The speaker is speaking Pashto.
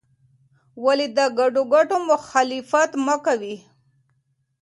ولې د ګډو ګټو مخالفت مه کوې؟